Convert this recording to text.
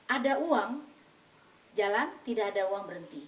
ada uang jalan tidak ada uang berhenti